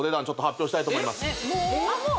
ちょっと発表したいと思いますえっ？